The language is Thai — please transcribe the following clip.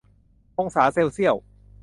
องศาเซลเซียล